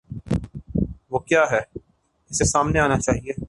وہ کیا ہے، اسے سامنے آنا چاہیے۔